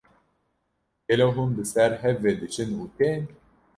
Gelo hûn bi ser hev ve diçin û tên?